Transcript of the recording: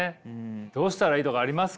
どうしたらいいとかありますかね？